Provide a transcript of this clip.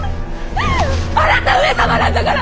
あなた上様なんだから！